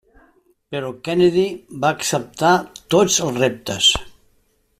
Però Kennedy va acceptar tots els reptes.